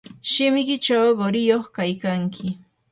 shimikiychaw qiriyuq kaykanki.